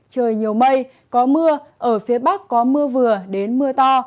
trời nhiều mây có mưa ở phía bắc có mưa vừa đến mưa to